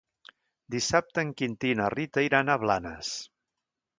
Dissabte en Quintí i na Rita iran a Blanes.